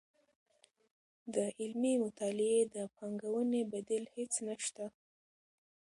د علمي مطالعې د پانګوونې بدیل هیڅ نشته.